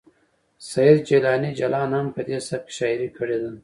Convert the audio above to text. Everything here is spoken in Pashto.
سید جیلاني جلان هم په دې سبک کې شاعري کړې ده